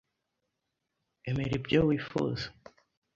Emera ibyo wifuza.